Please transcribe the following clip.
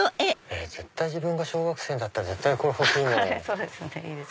自分が小学生だったら絶対これ欲しいもん。